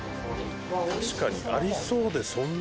確かにありそうでそんなに見ないな。